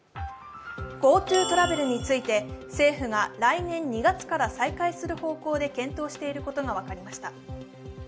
ＧｏＴｏトラベルについて政府は来年２月から再開する方向で検討していることが分かりました。